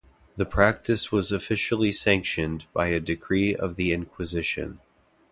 The practice was officially sanctioned by a decree of the Inquisition.